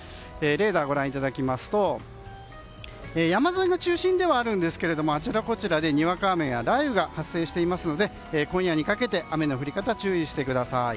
レーダーをご覧いただきますと山沿いが中心ではあるんですがあちらこちらでにわか雨や雷雨が発生していますので今夜にかけて雨の降り方、注意してください。